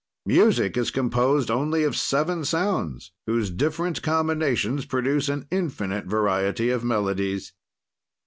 "Music is composed only of seven sounds whose different combinations produce an infinite variety of melodies.